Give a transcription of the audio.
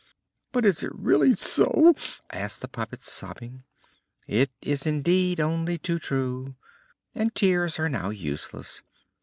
"But is it really so?" asked the puppet, sobbing. "It is indeed only too true! And tears are now useless.